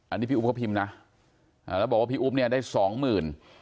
อันนี้พี่อุฟก็พิมพ์นะแล้วบอกว่าพี่อุฟเนี่ยได้๒๐๐๐๐บาท